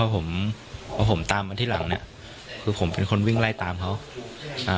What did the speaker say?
ผมพอผมตามมาที่หลังเนี้ยคือผมเป็นคนวิ่งไล่ตามเขาอ่า